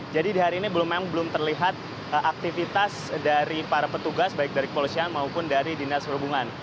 jadi di hari ini memang belum terlihat aktivitas dari para petugas baik dari kepolisian maupun dari dinas perhubungan